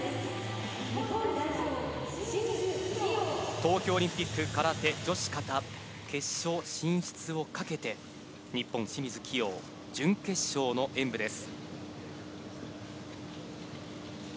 東京オリンピック空手、女子形、決勝進出をかけて、日本・清水希容、準決勝の演武です。